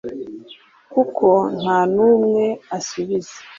kuko nta n'umwe asubiza